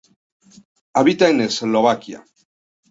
Habita en Eslovaquia.